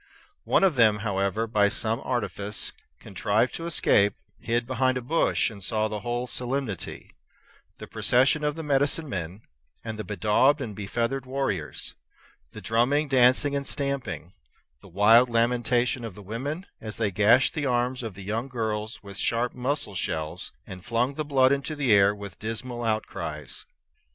One of them, however, by some artifice, contrived to escape, hid behind a bush, and saw the whole solemnity, the procession of the medicinemen and the bedaubed and befeathered warriors; the drumming, dancing, and stamping; the wild lamentation of the women as they gashed the arms of the young girls with sharp mussel shells, and flung the blood into the air with dismal outcries.